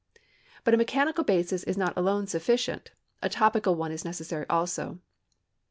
But a mechanical basis is not alone sufficient, a topical one is necessary also.